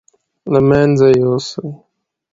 له مېنځه يوسي.